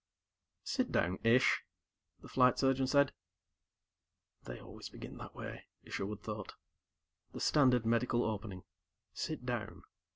"Sit down, Ish," the Flight Surgeon said. They always begin that way, Isherwood thought. The standard medical opening. Sit down.